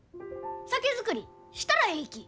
酒造りしたらえいき！